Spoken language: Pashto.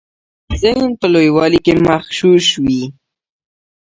ذهن په لویوالي کي مغشوش کیږي.